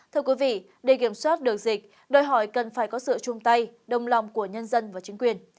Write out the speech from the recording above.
thưa quý vị để kiểm soát được dịch đòi hỏi cần phải có sự chung tay đồng lòng của nhân dân và chính quyền